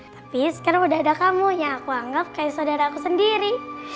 tapi sekarang udah ada kamu yang aku anggap kayak saudara aku sendiri